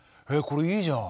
これいいじゃん。